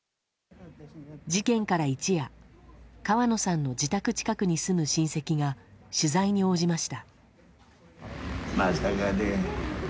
事件から一夜、川野さんの自宅近くに住む親戚が取材に応じました。